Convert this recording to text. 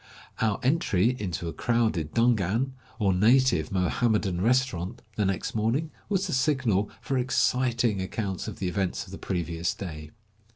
Our entry into a crowded dungan, or native Mohammedan restaurant, the next morning, was the signal for 153 exciting accounts of the events of the previous day.